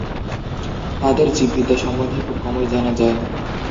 তাদের জীববিদ্যা সম্বন্ধে খুব কমই জানা যায়।